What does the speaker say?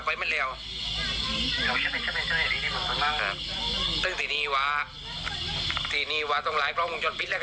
ไปไม่แล้วอ่าซึ่งทีนี้ว่าทีนี้ว่าต้องหลายพร้อมคุณชนพิษแล้ว